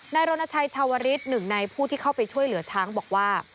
รณชัยชาวริสหนึ่งในผู้ที่เข้าไปช่วยเหลือช้างบอกว่า